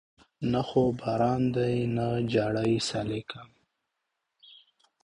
نه خو باران دی نه جړۍ سالکه